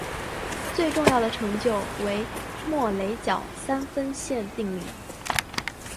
最重要的成就为莫雷角三分线定理。